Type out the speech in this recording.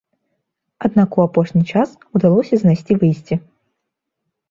Аднак у апошні час удалося знайсці выйсце.